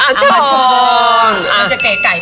มันจะเกะไก่มากเลย